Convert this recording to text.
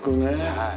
はい。